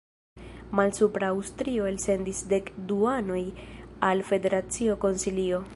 Malsupra Aŭstrio elsendis dek du anoj al federacio konsilio.